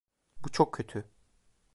Bu çok kötü.